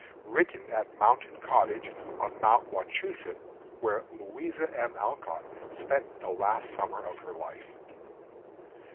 (_Written at Mountain Cottage, on Mount Wachusett, where Louisa M. Alcott spent the last summer of her life.